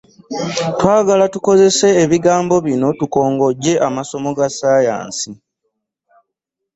Twagala tukozese ebigambo bino tukongojje amasomo ga ssaayansi.